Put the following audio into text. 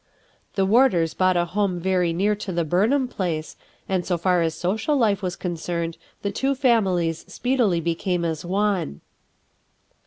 The Warders bought a home very near to the Burnhara place, and so far as social life was concerned the two families speedily became as one.